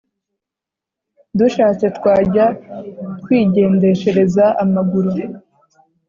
dushatse twajya twigendeshereza amaguru!"